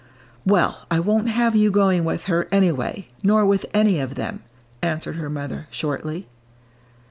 "Well, I won't have you going with her, anyway, nor with any of them," answered her mother, shortly.